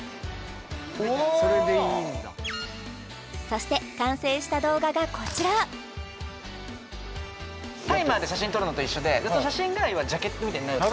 そして完成した動画がこちらタイマーで写真撮るのと一緒でその写真が今ジャケットみたいになるんです